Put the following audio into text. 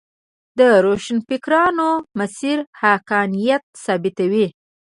د روښانفکرو مسیر حقانیت ثابتوي.